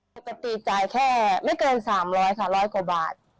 ปกติจ่ายแค่ไม่เกิน๓๐๐ค่ะร้อยกว่าบาท